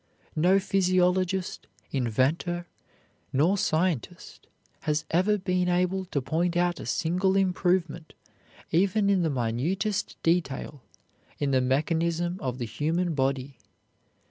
No physiologist, inventor, nor scientist has ever been able to point out a single improvement, even in the minutest detail, in the mechanism of the human body.